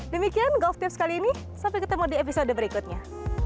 demikian golf tips kali ini sampai ketemu di episode berikutnya